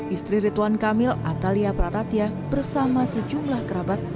istri rituan kamil atalia praratia bersama sejumlah kerabat